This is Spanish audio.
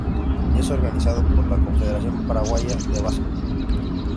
Es organizado por la Confederación Paraguaya de Básquetbol.